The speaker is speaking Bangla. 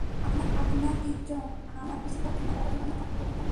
আপনার ইযযতের কসম, আমার মুসীবত দূর না করা পর্যন্ত আমি মাথা উঠাব না।